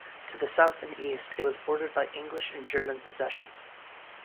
To the south and east it was bordered by English and German possessions.